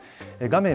画面